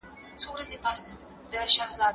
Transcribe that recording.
لور د پلار په کور کي یو قیمتي امانت او د عزت سمبول وي.